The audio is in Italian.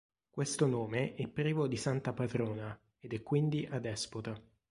Questo nome è privo di santa patrona, ed è quindi adespota.